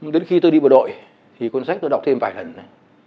đến khi tôi đi bộ đội thì cuốn sách tôi đọc thêm vài lần này